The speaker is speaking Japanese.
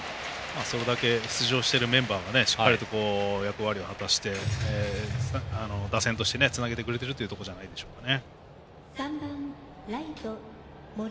それだけ出場しているメンバーがしっかりと役割を果たして打線としてつなげてくれてるというところじゃないでしょうか。